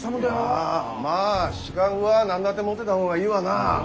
まあ資格は何だって持ってだ方がいいわな。